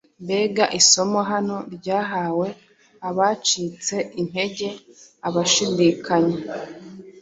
Mbega isomo hano ryahawe abacitse intege, abashidikanya,